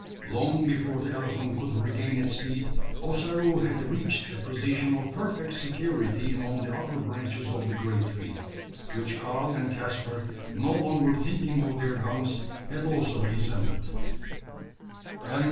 Long before the elephant could regain its feet, Ossaroo had reached a position of perfect security among the upper branches of the great tree; which Karl and Caspar, no longer thinking of their guns, had also re ascended.